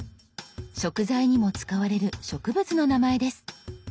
食材にも使われる植物の名前です。